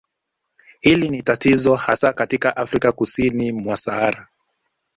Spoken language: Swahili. Hili ni tatizo hasa katika Afrika kusini mwa Sahara